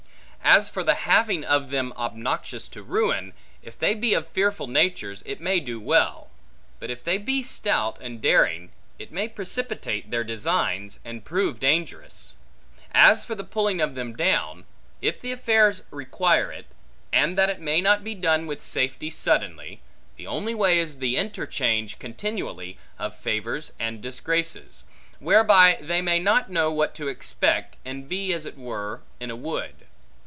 As for the having of them obnoxious to ruin; if they be of fearful natures, it may do well; but if they be stout and daring, it may precipitate their designs, and prove dangerous. As for the pulling of them down, if the affairs require it, and that it may not be done with safety suddenly, the only way is the interchange, continually, of favors and disgraces; whereby they may not know what to expect, and be, as it were, in a wood.